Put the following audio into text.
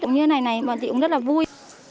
như thế này này bọn chị cũng rất là vui